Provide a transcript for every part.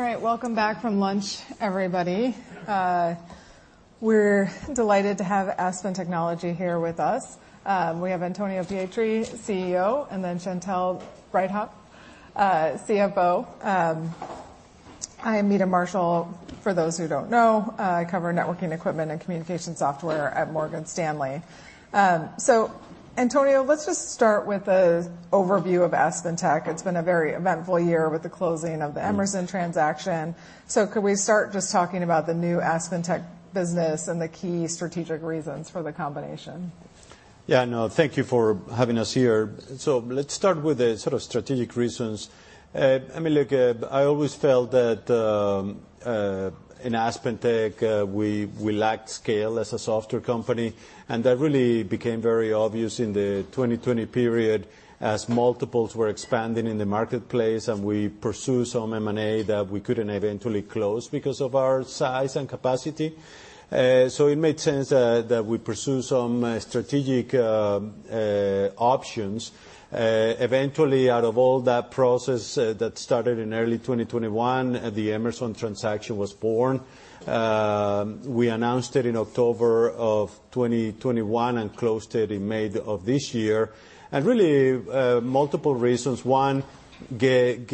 All right. Welcome back from lunch, everybody. We're delighted to have Aspen Technology here with us. We have Antonio Pietri, CEO, and then Chantelle Breithaupt, CFO. I am Meta Marshall. For those who don't know, I cover networking equipment and communication software at Morgan Stanley. Antonio, let's just start with a overview of AspenTech. It's been a very eventful year with the closing of the Emerson transaction. Could we start just talking about the new AspenTech business and the key strategic reasons for the combination? No, thank you for having us here. Let's start with the sort of strategic reasons. I mean, look, I always felt that in AspenTech, we lacked scale as a software company, and that really became very obvious in the 2020 period as multiples were expanding in the marketplace, and we pursue some M&A that we couldn't eventually close because of our size and capacity. It made sense that we pursue some strategic options. Eventually out of all that process that started in early 2021, the Emerson transaction was born. We announced it in October of 2021 and closed it in May of this year. Really, multiple reasons. One, give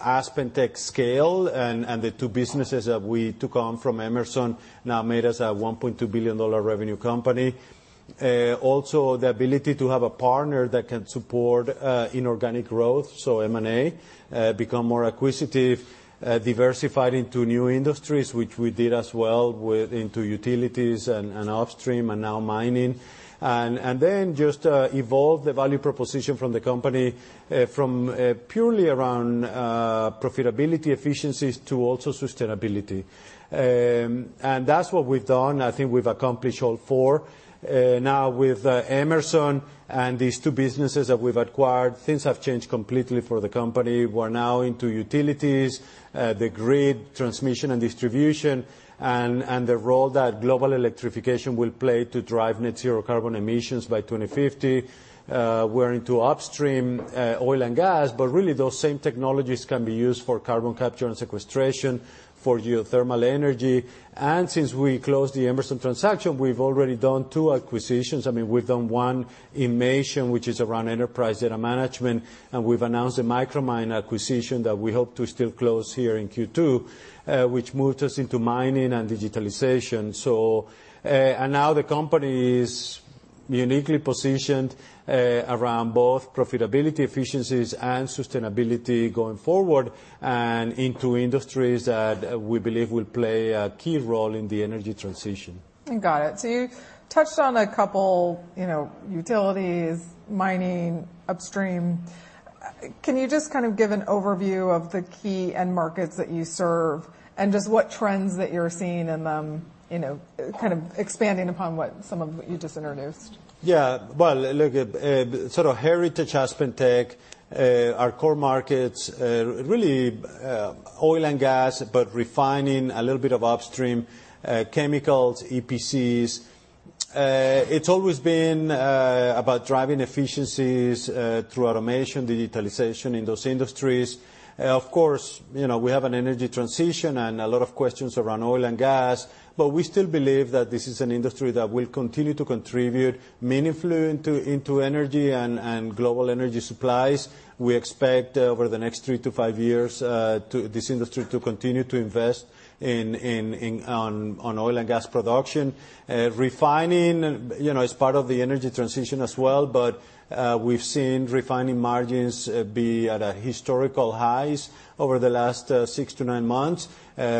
AspenTech scale and the two businesses that we took on from Emerson now made us a $1.2 billion revenue company. Also the ability to have a partner that can support inorganic growth. M&A become more acquisitive, diversified into new industries, which we did as well with into utilities and upstream and now mining. Just evolve the value proposition from the company from purely around profitability efficiencies to also sustainability. That's what we've done. I think we've accomplished all four. Now with Emerson and these two businesses that we've acquired, things have changed completely for the company. We're now into utilities, the grid transmission and distribution and the role that global electrification will play to drive net zero carbon emissions by 2050. We're into Upstream Oil & Gas, but really those same technologies can be used for carbon capture and sequestration, for geothermal energy. Since we closed the Emerson transaction, we've already done two acquisitions. I mean, we've done one in Inmation, which is around enterprise data management, and we've announced a Micromine acquisition that we hope to still close here in Q2, which moves us into mining and digitalization. Now the company is uniquely positioned around both profitability efficiencies and sustainability going forward and into industries that we believe will play a key role in the energy transition. Got it. You touched on a couple, you know, utilities, mining, upstream. Can you just kind of give an overview of the key end markets that you serve and just what trends that you're seeing in them, you know, kind of expanding upon what some of you just introduced? Well, look, sort of Heritage AspenTech, our core markets, really, Oil & Gas, but refining a little bit of upstream, chemicals, EPCs. It's always been about driving efficiencies through automation, digitalization in those industries. Of course, you know, we have an energy transition and a lot of questions around Oil & Gas, but we still believe that this is an industry that will continue to contribute meaningfully into energy and global energy supplies. We expect over the next three to five years, this industry to continue to invest in Oil & Gas production. Refining, you know, is part of the energy transition as well, but we've seen refining margins be at historical highs over the last six to nine months.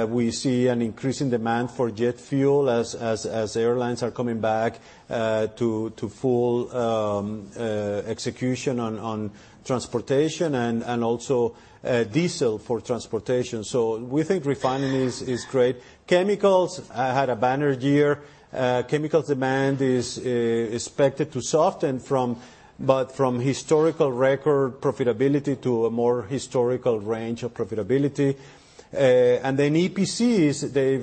We see an increase in demand for jet fuel as airlines are coming back to full execution on transportation and also diesel for transportation. We think refining is great. Chemicals had a banner year. Chemical demand is expected to soften from historical record profitability to a more historical range of profitability. EPCs, they've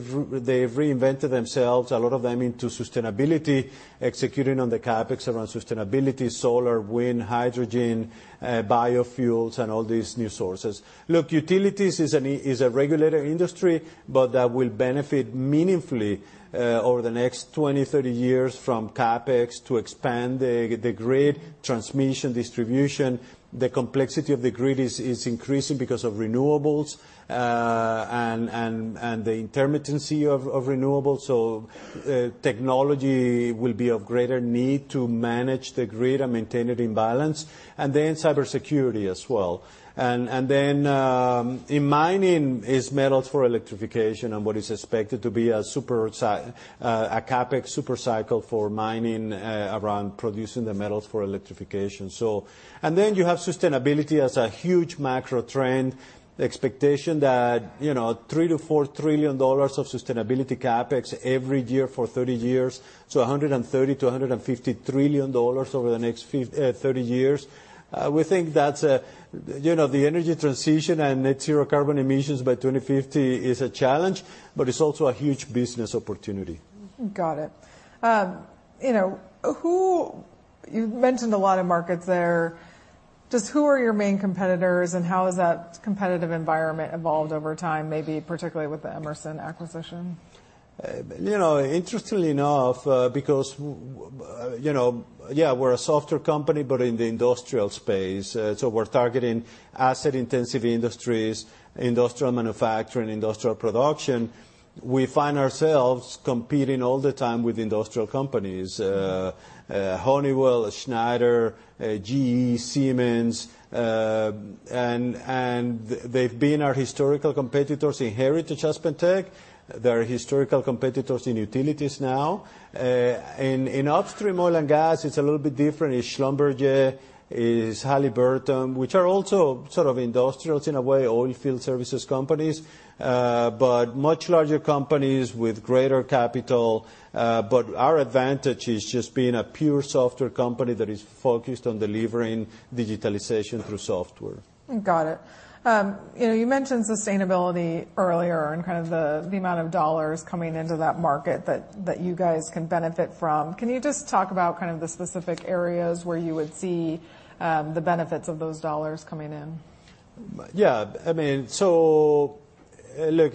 reinvented themselves, a lot of them into sustainability, executing on the CapEx around sustainability, solar, wind, hydrogen, biofuels, and all these new sources. Look, utilities is a regulated industry, but that will benefit meaningfully over the next 20, 30 years from CapEx to expand the grid transmission distribution. The complexity of the grid is increasing because of renewables and the intermittency of renewables. Technology will be of greater need to manage the grid and maintain it in balance, then cybersecurity as well. Then, in mining is metals for electrification and what is expected to be a CapEx super cycle for mining around producing the metals for electrification. Then you have sustainability as a huge macro trend. The expectation that, you know, $3 trillion-$4 trillion of sustainability CapEx every year for 30 years, so $130 trillion-$150 trillion over the next 30 years. We think that's, you know, the energy transition and net zero carbon emissions by 2050 is a challenge, but it's also a huge business opportunity. Got it. You know, you've mentioned a lot of markets there. Just who are your main competitors, and how has that competitive environment evolved over time, maybe particularly with the Emerson acquisition? You know, interestingly enough, because, you know, yeah, we're a software company but in the industrial space, we're targeting asset-intensive industries, industrial manufacturing, industrial production. We find ourselves competing all the time with industrial companies. Honeywell, Schneider, GE, Siemens. They've been our historical competitors Heritage AspenTech. They're historical competitors in utilities now. In Upstream Oil & Gas, it's a little bit different. It's Schlumberger. It's Halliburton, which are also sort of industrials in a way, oil field services companies. Much larger companies with greater capital. Our advantage is just being a pure software company that is focused on delivering digitalization through software. Got it. You know, you mentioned sustainability earlier and kind of the amount of dollars coming into that market that you guys can benefit from. Can you just talk about kind of the specific areas where you would see the benefits of those dollars coming in? Yeah. I mean, look,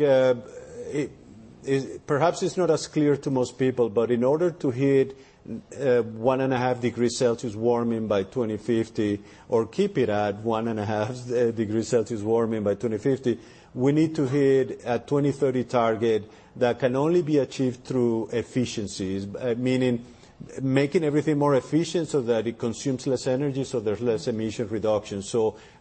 perhaps it's not as clear to most people, but in order to hit 1.5 degrees Celsius warming by 2050 or keep it at 1.5 degrees Celsius warming by 2050, we need to hit a 2030 target that can only be achieved through efficiencies. Meaning making everything more efficient so that it consumes less energy, there's less emission reduction.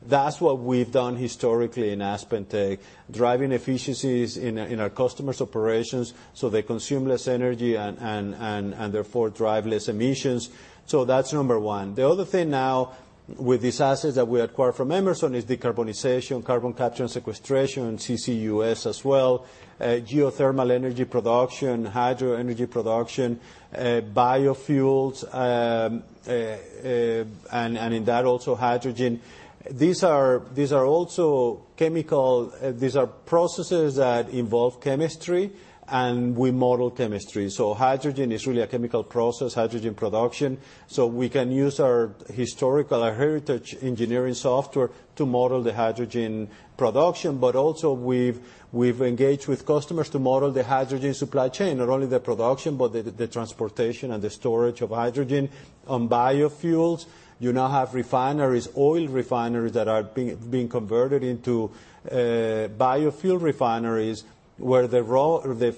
That's what we've done historically in AspenTech, driving efficiencies in our customers' operations so they consume less energy and therefore drive less emissions. That's number one. The other thing now with these assets that we acquired from Emerson is decarbonization, Carbon Capture and Sequestration, and CCUS as well, geothermal energy production, hydro energy production, biofuels, and in that also hydrogen. These are also chemical. These are processes that involve chemistry. We model chemistry. Hydrogen is really a chemical process, hydrogen production. We can use our historical, our heritage engineering software to model the hydrogen production. Also we've engaged with customers to model the hydrogen supply chain, not only the production, but the transportation and the storage of hydrogen. On biofuels, you now have refineries, oil refineries that are being converted into biofuel refineries, where the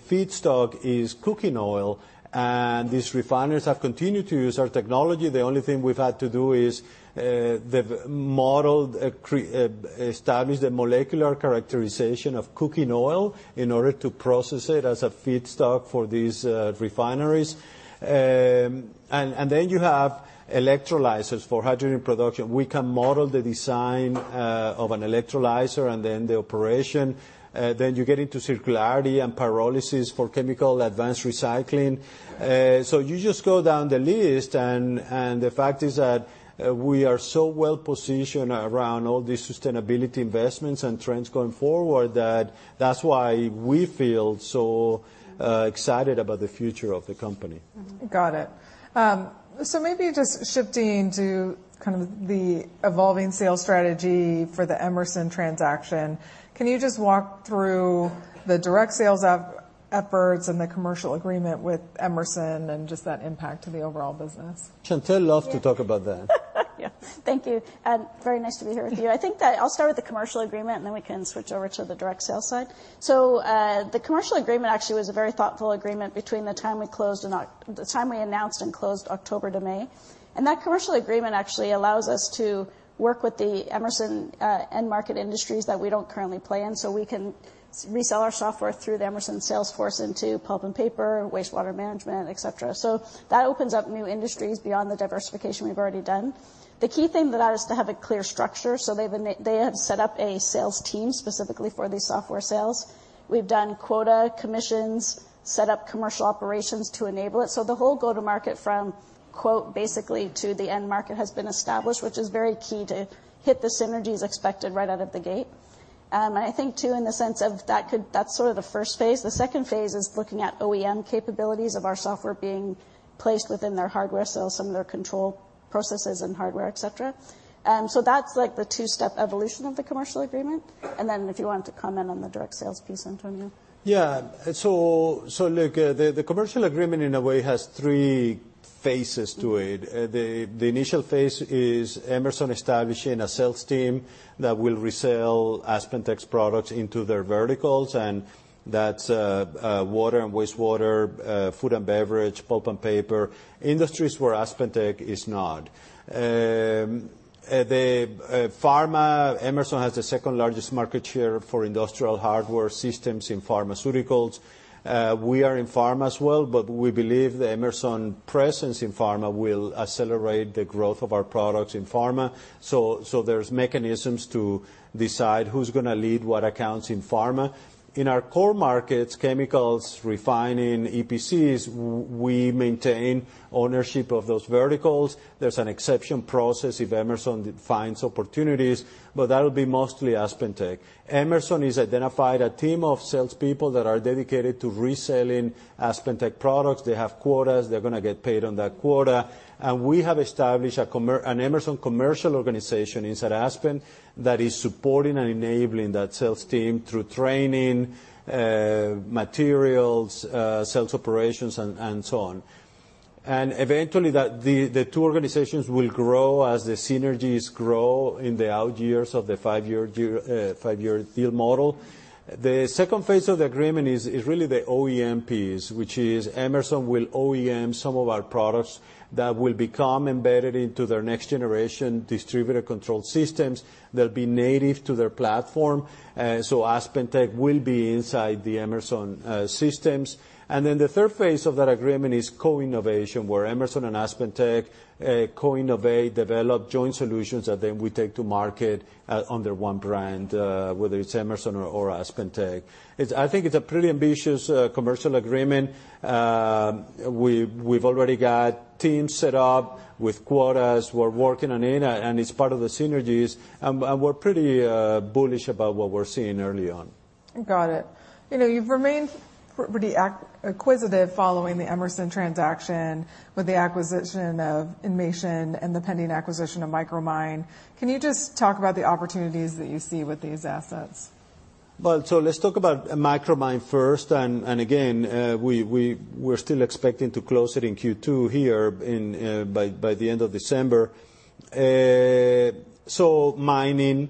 feedstock is cooking oil. These refineries have continued to use our technology. The only thing we've had to do is they've modeled, established a molecular characterization of cooking oil in order to process it as a feedstock for these refineries. Then you have electrolyzers for hydrogen production. We can model the design of an electrolyzer and then the operation. You get into circularity and pyrolysis for chemical advanced recycling. You just go down the list and the fact is that we are so well-positioned around all these sustainability investments and trends going forward, that that's why we feel so excited about the future of the company. Got it. Maybe just shifting to kind of the evolving sales strategy for the Emerson transaction, can you just walk through the direct sales efforts and the commercial agreement with Emerson and just that impact to the overall business? Chantelle love to talk about that. Thank you, and very nice to be here with you. I think that I'll start with the commercial agreement, and then we can switch over to the direct sales side. The commercial agreement actually was a very thoughtful agreement between the time we announced and closed October to May, and that commercial agreement actually allows us to work with the Emerson end market industries that we don't currently play in. We can resell our software through the Emerson sales force into pulp and paper, wastewater management, et cetera. That opens up new industries beyond the diversification we've already done. The key thing to that is to have a clear structure. They have set up a sales team specifically for these software sales. We've done quota commissions, set up commercial operations to enable it. The whole go-to-market from quote basically to the end market has been established, which is very key to hit the synergies expected right out of the gate. I think too in the sense of that's sort of the first phase. The second phase is looking at OEM capabilities of our software being placed within their hardware sales, some of their control processes and hardware, et cetera. That's like the two-step evolution of the commercial agreement. Then if you want to comment on the direct sales piece, Antonio. The commercial agreement in a way has three phases to it. The initial phase is Emerson establishing a sales team that will resell AspenTech's products into their verticals, and that's water and wastewater, food and beverage, pulp and paper, industries where AspenTech is not. The pharma, Emerson has the second-largest market share for industrial hardware systems in pharmaceuticals. We are in pharma as well. We believe the Emerson presence in pharma will accelerate the growth of our products in pharma. There's mechanisms to decide who's gonna lead what accounts in pharma. In our core markets, chemicals, refining, EPCs, we maintain ownership of those verticals. There's an exception process if Emerson finds opportunities, but that'll be mostly AspenTech. Emerson has identified a team of salespeople that are dedicated to reselling AspenTech products. They have quotas. They're gonna get paid on that quota. We have established an Emerson commercial organization inside Aspen that is supporting and enabling that sales team through training, materials, sales operations and so on. Eventually that the two organizations will grow as the synergies grow in the out years of the five-year deal model. The second phase of the agreement is really the OEM piece, which is Emerson will OEM some of our products that will become embedded into their next generation distributed control systems. They'll be native to their platform. AspenTech will be inside the Emerson systems. The third phase of that agreement is co-innovation, where Emerson and AspenTech co-innovate, develop joint solutions that then we take to market under one brand, whether it's Emerson or AspenTech. I think it's a pretty ambitious commercial agreement. We've already got teams set up with quotas. We're working on it and it's part of the synergies and we're pretty bullish about what we're seeing early on. Got it. You know, you've remained pretty acquisitive following the Emerson transaction with the acquisition of Inmation and the pending acquisition of Micromine. Can you just talk about the opportunities that you see with these assets? Let's talk about Micromine first, and again, we're still expecting to close it in Q2 here by the end of December. Mining,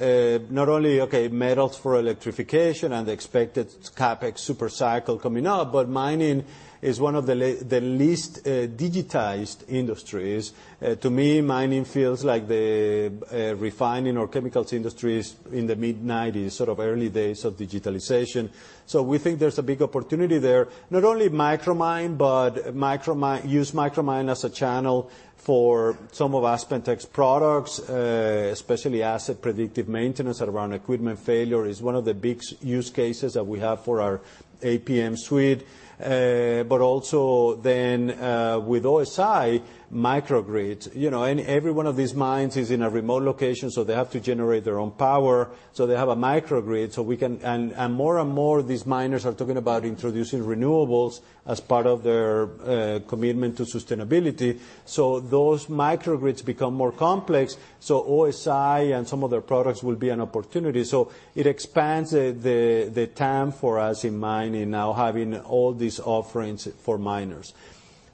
not only metals for electrification and the expected CapEx super cycle coming up, but mining is one of the least digitized industries. To me, mining feels like the refining or chemicals industries in the mid-nineties, sort of early days of digitalization. We think there's a big opportunity there, not only Micromine, but use Micromine as a channel for some of AspenTech's products, especially asset predictive maintenance around equipment failure is one of the big use cases that we have for our APM suite. Also with OSI Microgrids. You know, every one of these mines is in a remote location, so they have to generate their own power, so they have a Microgrid, so we can. More and more of these miners are talking about introducing renewables as part of their commitment to sustainability. Those Microgrids become more complex, so OSI and some of their products will be an opportunity. It expands the TAM for us in mining now having all these offerings for miners.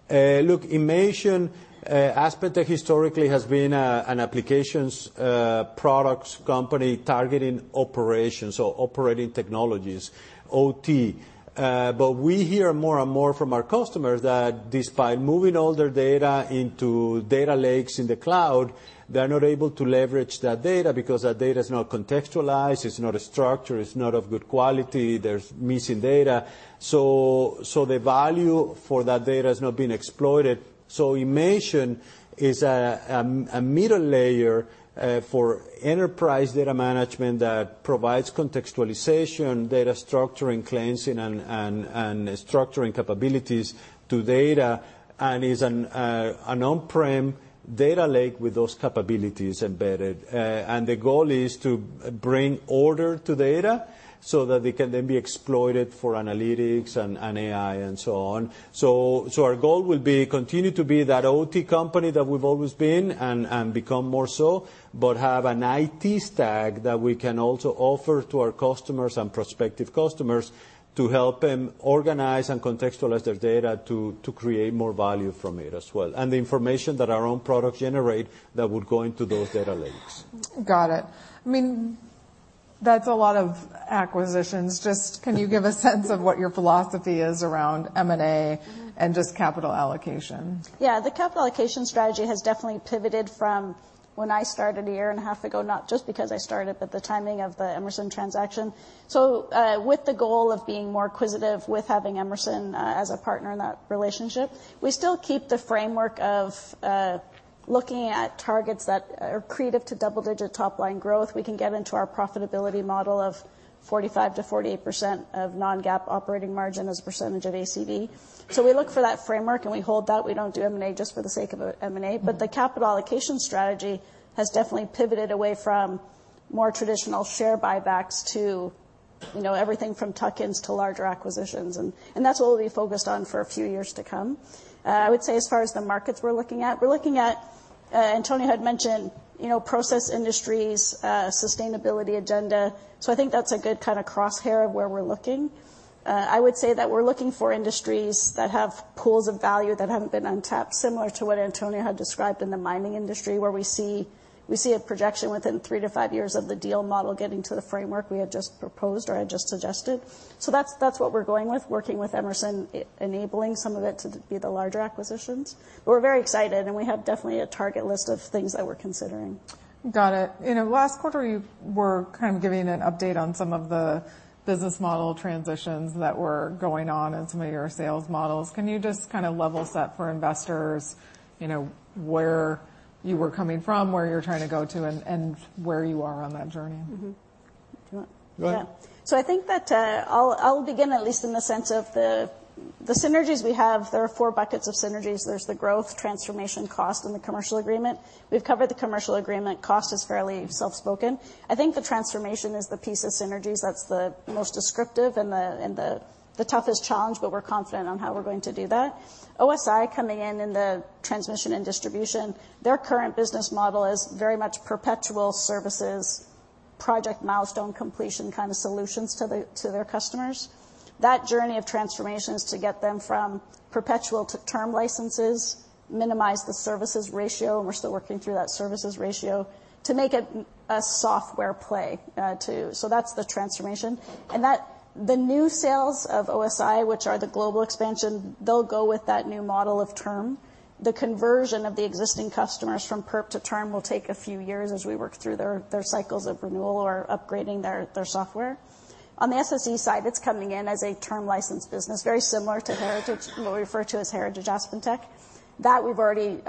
Look, Inmation, AspenTech historically has been an applications products company targeting operations or Operating Technologies, OT. We hear more and more from our customers that despite moving all their data into data lakes in the cloud, they're not able to leverage that data because that data is not contextualized, it's not a structure, it's not of good quality, there's missing data. The value for that data is not being exploited. Inmation is a middle layer for enterprise data management that provides contextualization, data structuring, cleansing, and structuring capabilities to data and is an on-prem data lake with those capabilities embedded. The goal is to bring order to data so that they can then be exploited for analytics and AI and so on. Our goal will be continue to be that OT company that we've always been and become more so, but have an IT stack that we can also offer to our customers and prospective customers to help them organize and contextualize their data to create more value from it as well. The information that our own products generate that would go into those data lakes. Got it. I mean, that's a lot of acquisitions. Just can you give a sense of what your philosophy is around M&A and just capital allocation? The capital allocation strategy has definitely pivoted from when I started a year and a half ago, not just because I started, but the timing of the Emerson transaction. With the goal of being more acquisitive with having Emerson as a partner in that relationship, we still keep the framework of looking at targets that are accretive to double-digit top-line growth. We can get into our profitability model of 45%-48% of non-GAAP operating margin as a percentage of ACD. We look for that framework, and we hold that. We don't do M&A just for the sake of M&A. The capital allocation strategy has definitely pivoted away from more traditional share buybacks to, you know, everything from tuck-ins to larger acquisitions. That's what we'll be focused on for a few years to come. I would say as far as the markets we're looking at, we're looking at, Antonio had mentioned, you know, process industries, sustainability agenda. I think that's a good kind of crosshair of where we're looking. I would say that we're looking for industries that have pools of value that haven't been untapped, similar to what Antonio had described in the mining industry, where we see, we see a projection within three-five years of the deal model getting to the framework we had just proposed or I just suggested. That's, that's what we're going with, working with Emerson, enabling some of it to be the larger acquisitions. We're very excited, and we have definitely a target list of things that we're considering. Got it. You know, last quarter, you were kind of giving an update on some of the business model transitions that were going on in some of your sales models. Can you just kinda level set for investors, you know, where you were coming from, where you're trying to go to, and where you are on that journey? Do you want? Go ahead. I think that I'll begin at least in the sense of the synergies we have. There are four buckets of synergies. There's the growth, transformation, cost, and the commercial agreement. We've covered the commercial agreement. Cost is fairly self-spoken. I think the transformation is the piece of synergies that's the most descriptive and the toughest challenge, but we're confident on how we're going to do that. OSI Inc. coming in in the transmission and distribution, their current business model is very much perpetual services project milestone completion kind of solutions to their customers. That journey of transformation is to get them from perpetual to term licenses, minimize the services ratio, and we're still working through that services ratio, to make it a software play too. That's the transformation. The new sales of OSI, which are the global expansion, they'll go with that new model of term. The conversion of the existing customers from perp to term will take a few years as we work through their cycles of renewal or upgrading their software. On the SSE side, it's coming in as a term license business, very similar to Heritage, what we refer to as Heritage AspenTech. That we've already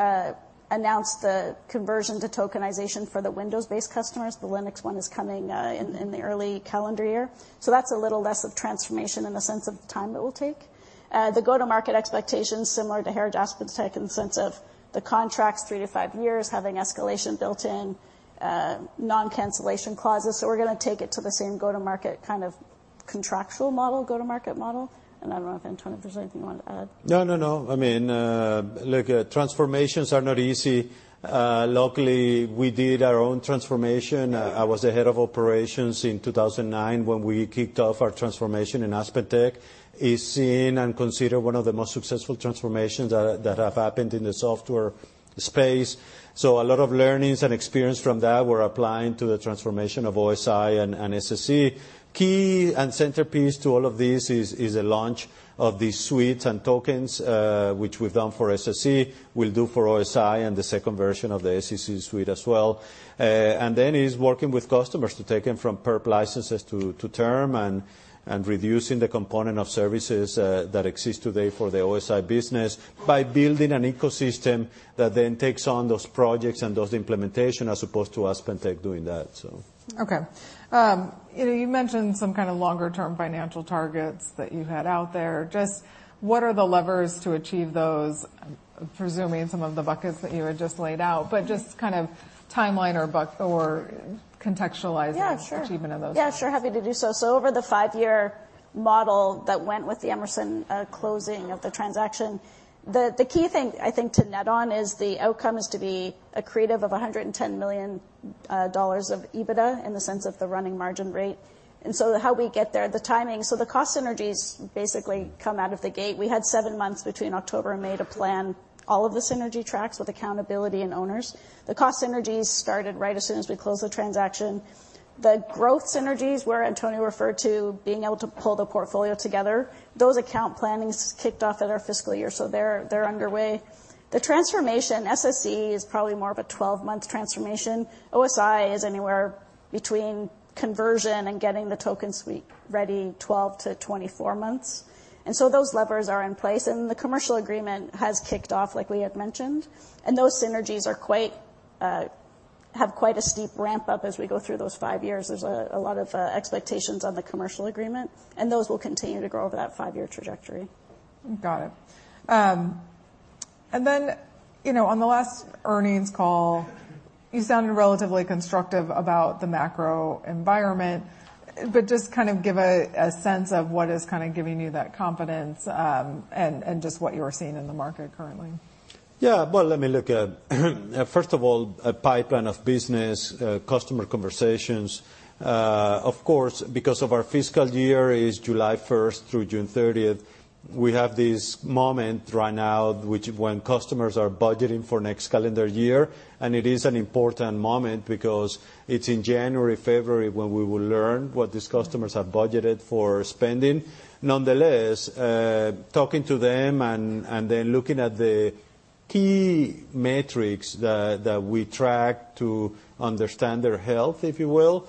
announced the conversion to tokenization for the Windows-based customers. The Linux one is coming in the early calendar year. That's a little less of transformation in the sense of the time it will take. The go-to-market expectations, similar to Heritage AspenTech in the sense of the contracts, three-five years, having escalation built in, non-cancellation clauses. We're gonna take it to the same go-to-market kind of contractual model, go-to-market model. I don't know if, Antonio, if there's anything you want to add. No, no. I mean, look, transformations are not easy. Luckily, we did our own transformation. I was the head of operations in 2009 when we kicked off our transformation, and AspenTech is seen and considered one of the most successful transformations that have happened in the software space. A lot of learnings and experience from that we're applying to the transformation of OSI and SSE. Key and centerpiece to all of this is a launch of these suites and tokens, which we've done for SSE, we'll do for OSI and the second version of the SSE suite as well. Is working with customers to take them from perp licenses to term and reducing the component of services that exist today for the OSI business by building an ecosystem that then takes on those projects and those implementation as opposed to AspenTech doing that. Okay. You know, you mentioned some kind of longer term financial targets that you had out there. Just what are the levers to achieve those? I'm presuming some of the buckets that you had just laid out, but just kind of timeline or contextualize- Yeah, sure. achievement of those. Yeah, sure. Happy to do so. Over the five-year model that went with the Emerson closing of the transaction, the key thing, I think, to net on is the outcome is to be accretive of $110 million of EBITDA in the sense of the running margin rate. How we get there, the timing. The cost synergies basically come out of the gate. We had seven months between October and May to plan all of the synergy tracks with accountability and owners. The cost synergies started right as soon as we closed the transaction. The growth synergies, where Antonio referred to being able to pull the portfolio together, those account plannings kicked off at our fiscal year, so they're underway. The transformation, SSE is probably more of a 12-month transformation. OSI is anywhere between conversion and getting the token suite ready, 12 to 24 months. So those levers are in place. The commercial agreement has kicked off like we had mentioned, and those synergies have quite a steep ramp up as we go through those five years. There's a lot of expectations on the commercial agreement, and those will continue to grow over that five-year trajectory. Got it. You know, on the last earnings call, you sounded relatively constructive about the macro environment, but just kind of give a sense of what is kind of giving you that confidence, and just what you're seeing in the market currently? Well, let me look at first of all, a pipeline of business, customer conversations. Of course, because our fiscal year is July 1st through June 30th, we have this moment right now when customers are budgeting for next calendar year. It is an important moment because it's in January, February, when we will learn what these customers have budgeted for spending. Nonetheless, talking to them and then looking at the key metrics that we track to understand their health, if you will.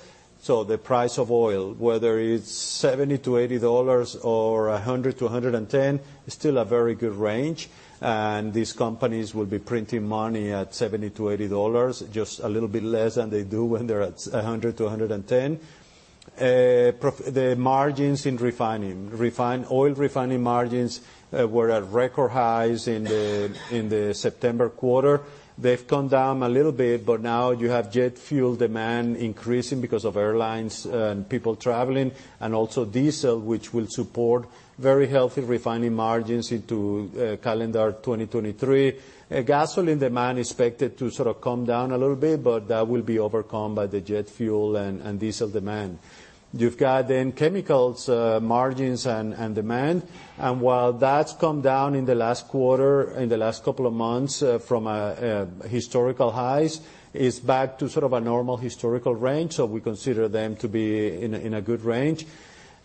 The price of oil, whether it's $70-$80 or $100-$110, is still a very good range. These companies will be printing money at $70-$80, just a little bit less than they do when they're at $100-$110. Oil refining margins were at record highs in the September quarter. They've come down a little bit. Now you have jet fuel demand increasing because of airlines and people traveling, and also diesel, which will support very healthy refining margins into calendar 2023. Gasoline demand is expected to sort of come down a little bit. That will be overcome by the jet fuel and diesel demand. You've got chemicals margins and demand. While that's come down in the last quarter, in the last couple of months, from historical highs, it's back to sort of a normal historical range. We consider them to be in a good range.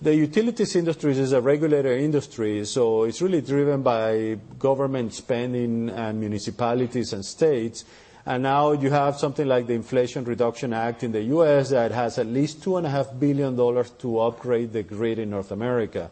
The utilities industries is a regulated industry. It's really driven by government spending and municipalities and states. Now you have something like the Inflation Reduction Act in the U.S. that has at least $2.5 billion to upgrade the grid in North America.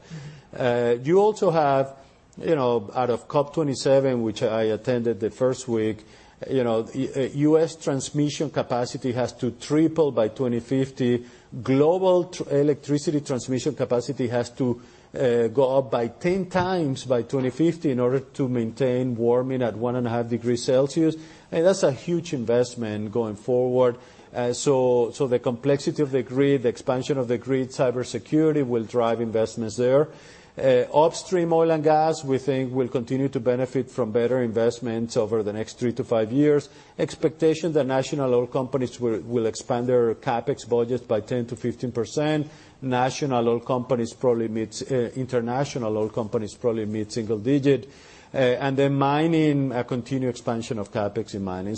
You also have you know, out of COP27, which I attended the first week, you know, U.S. transmission capacity has to triple by 2050. Global electricity transmission capacity has to go up by 10 times by 2050 in order to maintain warming at 1.5 degrees Celsius. I mean, that's a huge investment going forward. So, the complexity of the grid, the expansion of the grid, cybersecurity will drive investments there. Upstream Oil & Gas we think will continue to benefit from better investments over the next three-five years. Expectation that national oil companies will expand their CapEx budgets by 10%-15%. National oil companies probably meets, international oil companies probably meet single digit. Then mining, a continued expansion of CapEx in mining.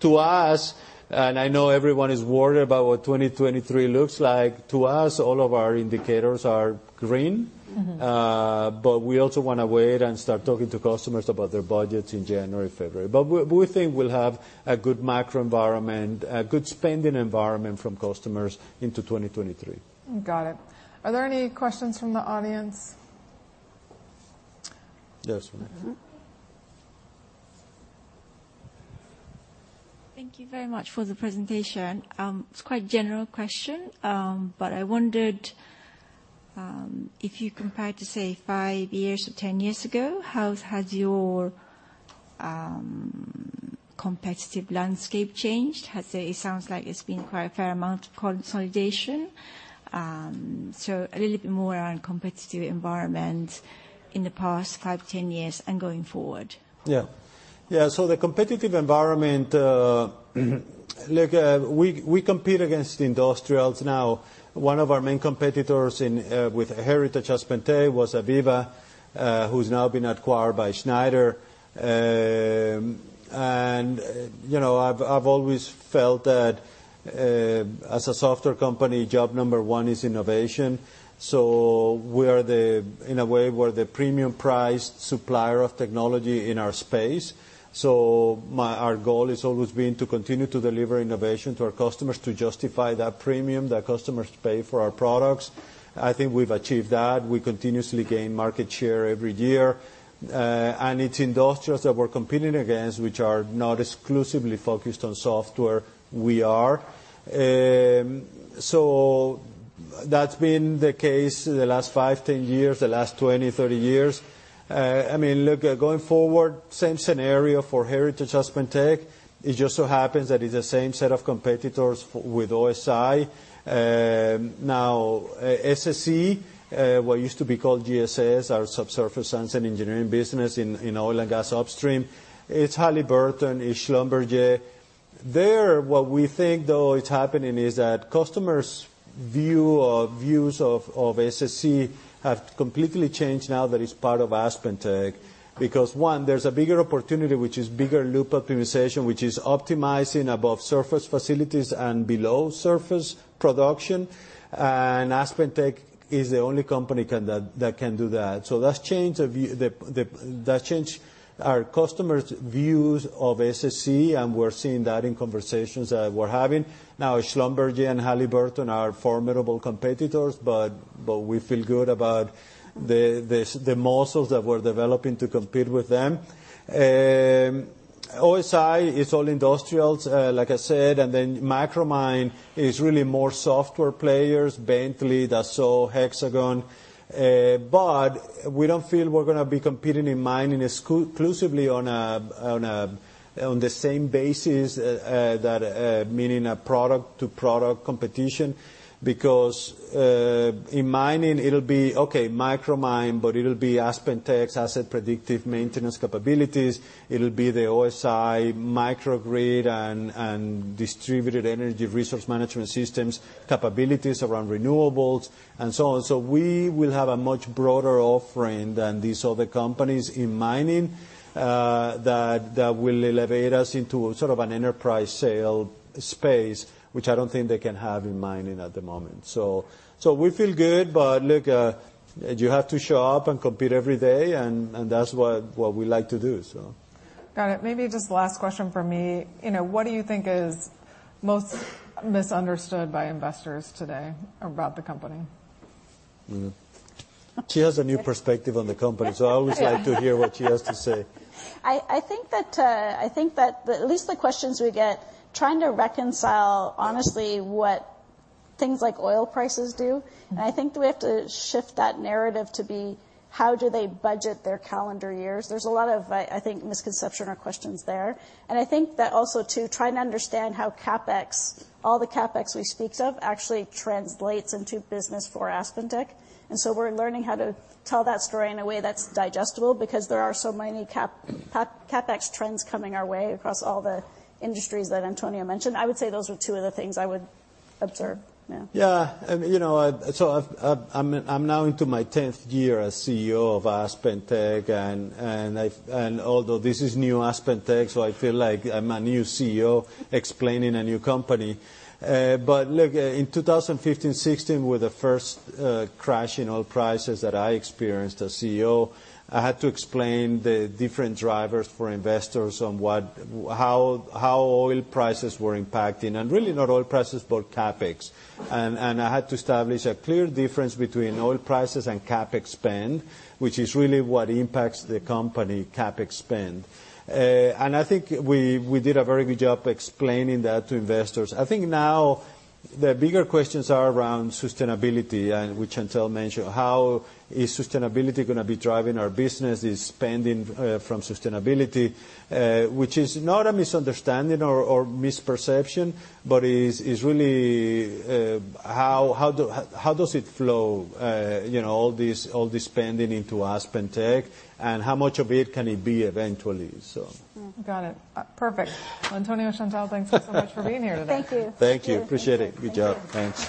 To us, and I know everyone is worried about what 2023 looks like, to us all of our indicators are green. Mm-hmm. We also wanna wait and start talking to customers about their budgets in January, February. We think we'll have a good macro environment, a good spending environment from customers into 2023. Got it. Are there any questions from the audience? There's one. Mm-hmm. Thank you very much for the presentation. It's quite general question. I wondered if you compared to, say, five years or 10 years ago, how has your competitive landscape changed? It sounds like it's been quite a fair amount of consolidation. A little bit more on competitive environment in the past five, 10 years and going forward. Yeah. Yeah, the competitive environment, look, we compete against industrials now. One of our main competitors in with Heritage AspenTech was AVEVA, who's now been acquired by Schneider. You know, I've always felt that as a software company, job number one is innovation. In a way, we're the premium price supplier of technology in our space, our goal has always been to continue to deliver innovation to our customers to justify that premium that customers pay for our products. I think we've achieved that. We continuously gain market share every year. It's industrials that we're competing against which are not exclusively focused on software. We are. That's been the case the last five, 10 years, the last 20, 30 years. I mean, look, going forward, same scenario for Heritage AspenTech. It just so happens that it's the same set of competitors with OSI. Now, SSC, what used to be called GSS, our Subsurface Science & Engineering business in Oil & Gas Upstream. It's Halliburton. It's Schlumberger. There, what we think, though, is happening is that customers' views of SSC have completely changed now that it's part of AspenTech. One, there's a bigger opportunity, which is bigger loop optimization, which is optimizing above surface facilities and below surface production. AspenTech is the only company that can do that. That's changed our customers' views of SSC, and we're seeing that in conversations that we're having. Schlumberger and Halliburton are formidable competitors, but we feel good about the muscles that we're developing to compete with them. OSI is all industrials, like I said. Micromine is really more software players, Bentley, Dassault, Hexagon. But we don't feel we're gonna be competing in mining exclusively on the same basis, meaning a product-to-product competition. In mining it'll be, okay, Micromine, but it'll be AspenTech's asset predictive maintenance capabilities. It'll be the OSI Microgrid and distributed energy resource management systems capabilities around renewables, and so on. We will have a much broader offering than these other companies in mining that will elevate us into sort of an enterprise sale space, which I don't think they can have in mining at the moment. We feel good. Look, you have to show up and compete every day, and that's what we like to do. Got it. Maybe just last question from me. You know, what do you think is most misunderstood by investors today about the company? Mm-hmm. She has a new perspective on the company. Yeah. I always like to hear what she has to say. I think that at least the questions we get, trying to reconcile honestly what things like oil prices do. Mm-hmm. I think that we have to shift that narrative to be: How do they budget their calendar years? There's a lot of, I think, misconception or questions there. I think that also, too, trying to understand how CapEx, all the CapEx we speak of actually translates into business for AspenTech. We're learning how to tell that story in a way that's digestible, because there are so many CapEx trends coming our way across all the industries that Antonio mentioned. I would say those are two of the things I would observe, yeah. Yeah, you know, I'm now into my 10th year as CEO of AspenTech, and although this is new AspenTech, I feel like I'm a new CEO explaining a new company. Look, in 2015, 2016 were the first crash in oil prices that I experienced as CEO. I had to explain the different drivers for investors on how oil prices were impacting, and really not oil prices, but CapEx. I had to establish a clear difference between oil prices and CapEx spend, which is really what impacts the company, CapEx spend. I think we did a very good job explaining that to investors. I think now the bigger questions are around sustainability and, which Chantelle mentioned, how is sustainability gonna be driving our business? Is spending from sustainability? Which is not a misunderstanding or misperception, but is really how does it flow, you know, all this spending into AspenTech? How much of it can it be eventually? Mm-hmm. Got it. Perfect. Antonio, Chantelle, thank you so much for being here today. Thank you. Thank you. Appreciate it. Good job. Thanks.